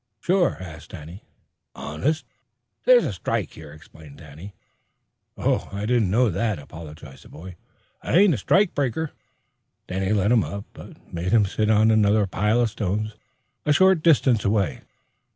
"Sure?" asked Danny. "Honest." "This here's a strike," explained Danny. "Oh, I didn't know that," apologized the boy. "I ain't a strike breaker." Danny let him up, but made him sit on another pile of stones a short distance away.